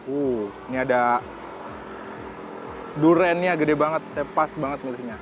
uh ini ada duriannya gede banget sepas banget mulutnya